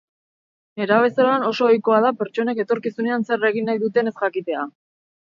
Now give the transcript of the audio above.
Nerabezaroan oso ohikoa da pertsonek etorkizunean zer egin nahi duten ez jakitea.